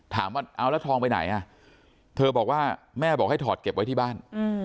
ถามว่าเอาแล้วทองไปไหนอ่ะเธอบอกว่าแม่บอกให้ถอดเก็บไว้ที่บ้าน